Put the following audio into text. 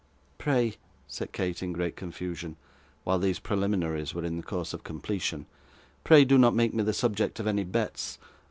'Pray,' said Kate, in great confusion, while these preliminaries were in course of completion. 'Pray do not make me the subject of any bets.